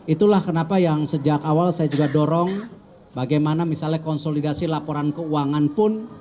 itulah kenapa yang sejak awal saya juga dorong bagaimana misalnya konsolidasi laporan keuangan pun